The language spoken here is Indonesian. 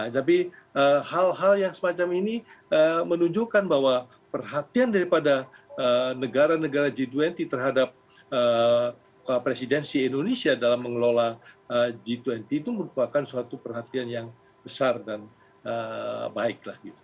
tapi hal hal yang semacam ini menunjukkan bahwa perhatian daripada negara negara g dua puluh terhadap presidensi indonesia dalam mengelola g dua puluh itu merupakan suatu perhatian yang besar dan baik